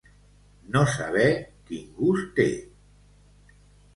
No saber quin gust té.